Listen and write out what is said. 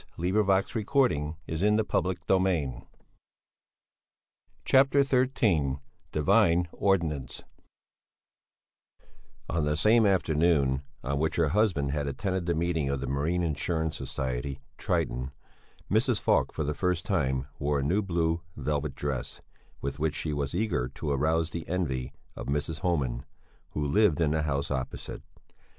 the district marshal closed the proceedings. CHAPTER XIII DIVINE ORDINANCE On the same afternoon on which her husband had attended the meeting of the Marine Insurance Society "Triton," Mrs. Falk for the first time wore a new blue velvet dress, with which she was eager to arouse the envy of Mrs. Homan, who lived in the house opposite.